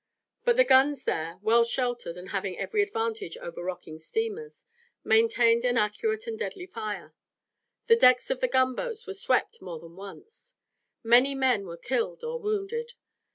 But the guns there, well sheltered and having every advantage over rocking steamers, maintained an accurate and deadly fire. The decks of the gunboats were swept more than once. Many men were killed or wounded.